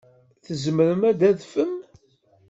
Tzemrem ad tadfem.